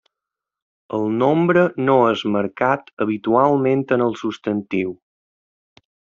El nombre no és marcat habitualment en el substantiu.